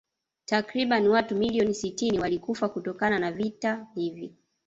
Takriban watu milioni sitini walikufa kutokana na vita hivi